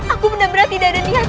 aku benar benar tidak ada niat